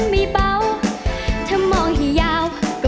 ใจรองได้ช่วยกันรองด้วยนะคะ